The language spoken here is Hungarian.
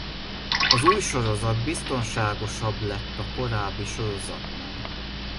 Az új sorozat biztonságosabb lett a korábbi sorozatnál.